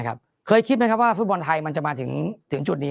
เคยคิดไหมครับว่าฟุตบอลไทยมันจะมาถึงจุดนี้